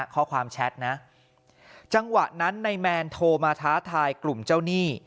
แชทนะจังหวะนั้นนายแมนโทรมาท้าทายกลุ่มเจ้าหนี้